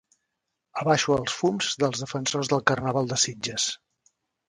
Abaixo els fums dels defensors del carnaval de Sitges.